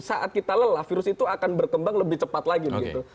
saat kita lelah virus itu akan berkembang lebih cepat lagi begitu